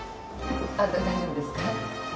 あっ大丈夫ですか？